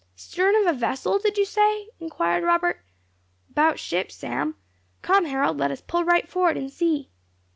"Stern of a vessel, did you say?" inquired Robert. "'Bout ship, Sam. Come, Harold, let us pull right for it and see."